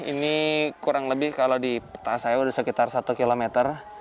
ini kurang lebih kalau di peta saya sudah sekitar satu kilometer